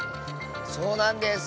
そうなんです！